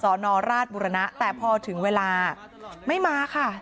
นราชบุรณะแต่พอถึงเวลาไม่มาค่ะ